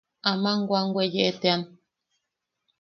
Ama wam weye tean.